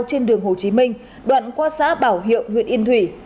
trên đường hồ chí minh đoạn qua xã bảo hiệu huyện yên thủy